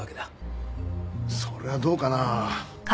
それはどうかな？